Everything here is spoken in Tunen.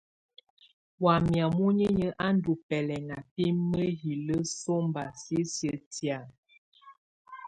Wamɛ̀á muninyǝ́ á ndù bɛlɛŋa bi mǝjilǝ sɔmba sisiǝ́ tɛ̀á.